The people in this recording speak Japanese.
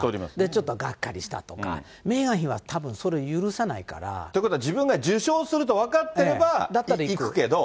ちょっとがっかりしたとか、メーガン妃はたぶん、それを許さないから。ということは自分が受賞すると分かってれば行くけど。